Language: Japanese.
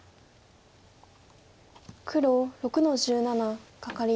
黒６の十七カカリ。